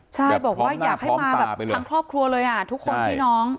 ใช่บอกว่าอยากให้มาแบบทั้งครอบครัวเลยทุกคนพี่น้อง